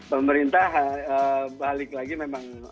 pemerintah balik lagi memang